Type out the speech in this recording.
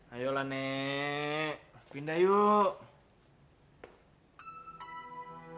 ayolah nek pindah yuk